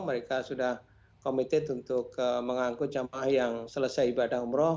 mereka sudah committed untuk mengangkut jemaah yang selesai ibadah umroh